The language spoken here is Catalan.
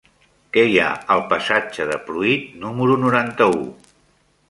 Què hi ha al passatge de Pruit número noranta-u?